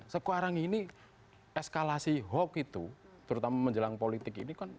sekarang ini eskalasi hoax itu terutama menjelang politik ini kan